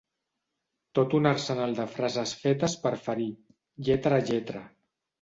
Tot un arsenal de frases fetes per ferir, lletra a lletra.